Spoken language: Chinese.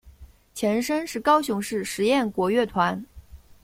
前身是高雄市实验国乐团。